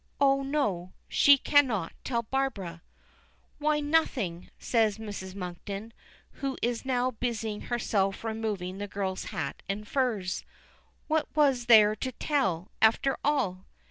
Oh, no she cannot tell Barbara. "Why nothing," says Mrs. Monkton, who is now busying herself removing the girl's hat and furs. "What was there to tell, after all?"